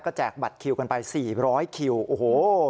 แจกบัตรคิวกันไป๔๐๐คิวโอ้โห